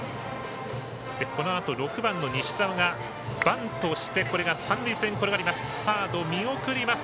このあと、６番の西澤がバントしてこれが三塁線に転がります。